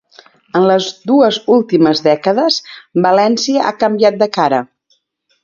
En les dues últimes dècades València ha canviat de cara.